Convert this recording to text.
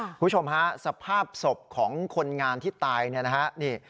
คุณผู้ชมฮะสภาพศพของคนงานที่ตายเนี่ยนะฮะนี่